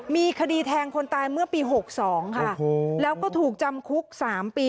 มีคดีแทงคนตายเมื่อปีหกสองค่ะโอ้โหแล้วก็ถูกจำคุกสามปี